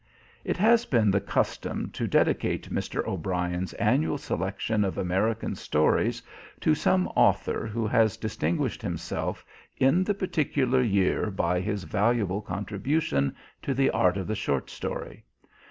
It has been the custom to dedicate Mr. O'Brien's annual selection of American stories to some author who has distinguished himself in the particular year by his valuable contribution to the art of the short story.